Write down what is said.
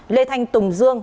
lê thanh tùng dương